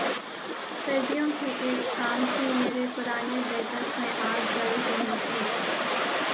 سردیوں کی ایک شام تھی، میری پرانی بیٹھک میں آگ جل رہی تھی۔